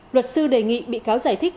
luật sư đề nghị bị cáo giải thích